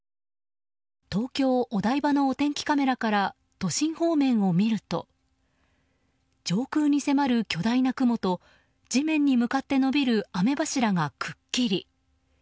東京・お台場のお天気カメラから都心方面を見ると上空に迫る巨大な雲と地面に向かって延びる雨柱がくっきり。